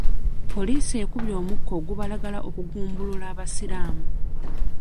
Poliisi ekubye omukka ogubalagala okugumbulula abasiraamu.